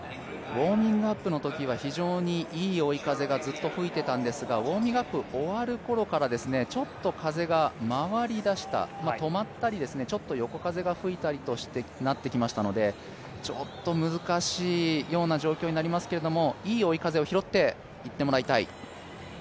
ウオーミングアップのときは非常にいい追い風がずっと吹いていたんですがウオーミングアップ終わるころから風が回り出した、止まったり、ちょっと横風が吹いてきたりしましたのでちょっと難しいような状況になりますけれどもいい追い風を拾っていってもらいたい。